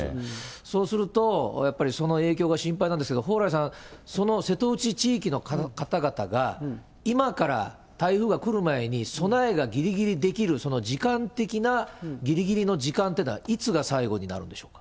そうすると、やっぱりその影響が心配なんですが、蓬莱さん、その瀬戸内地域の方々が、今から台風が来る前に備えがぎりぎりできる時間的なぎりぎりの時間っていうのは、いつが最後になるんでしょうか。